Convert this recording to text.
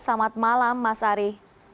selamat malam mas ari